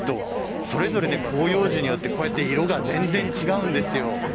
それぞれ広葉樹によって色が全然違うんですよ。